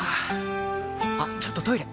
あっちょっとトイレ！